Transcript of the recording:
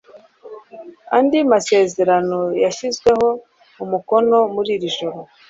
Andi masezerano yashyizweho umukono muri iri joro